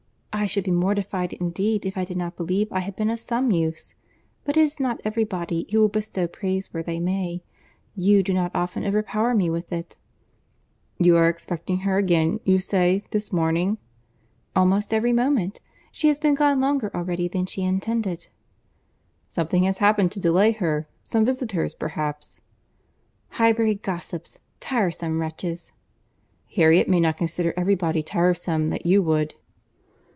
I should be mortified indeed if I did not believe I had been of some use; but it is not every body who will bestow praise where they may. You do not often overpower me with it." "You are expecting her again, you say, this morning?" "Almost every moment. She has been gone longer already than she intended." "Something has happened to delay her; some visitors perhaps." "Highbury gossips!—Tiresome wretches!" "Harriet may not consider every body tiresome that you would."